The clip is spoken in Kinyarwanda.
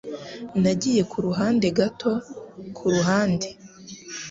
Nagiye ku ruhande gato kuruhande